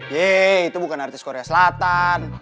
yeh itu bukan artis korea selatan